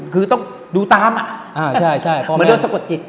คือต้องดูตามอ่ะเหมือนโดนสะกดจิต